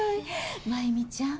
真弓ちゃん